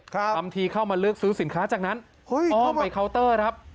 ทำทีเข้ามาเลือกซื้อสินค้าจากนั้นอ้อมไปเคาน์เตอร์ครับ